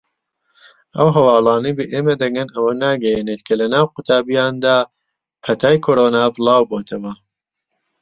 ئەو هەواڵانەی بە ئێمە دەگەن ئەوە ناگەیەنێت کە لەناو قوتابییاندا پەتای کۆرۆنا بڵاوبۆتەوە.